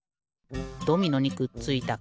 ドミノにくっついたかみきれ。